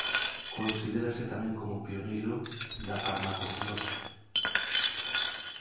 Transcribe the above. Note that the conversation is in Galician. Considérase tamén como pioneiro da farmacognosia.